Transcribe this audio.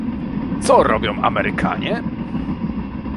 Co robią Amerykanie?